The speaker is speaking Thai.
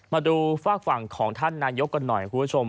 มาดูฝากฝั่งของท่านนายกกันหน่อยคุณผู้ชม